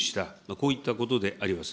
こういったことであります。